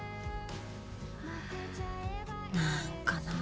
何かなぁ。